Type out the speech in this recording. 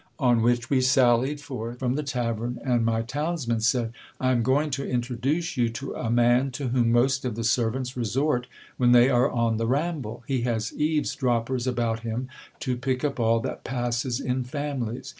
On which we sallied forth from the tavern, and my townsman said : I am going to introduce you to a man, to whom most of the servants resort when they are on the ramble ; he has eaves droppers about him to pick up all that passes in families.